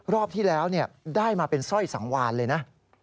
รอบที่แล้วได้มาเป็นสร้อยสังวานเลยนะ